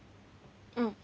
うん。